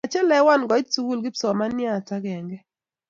Kachelewan koit sukul kipsomaniat akenge